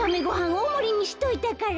おおもりにしといたから」。